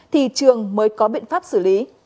thì trường mới có biện pháp xử lý